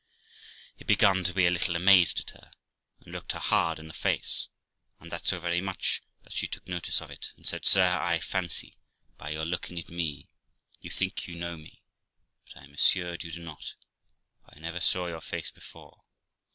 He begun to be a little amazed at her, and looked her hard in the face, and that so very much that she took notice of it, and said, 'Sir, I fancy by your looking at me, you think you know me, but I am assured you do not, for I never saw your face before.